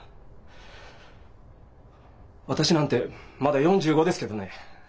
私なんてまだ４５ですけどね